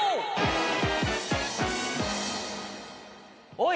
おい。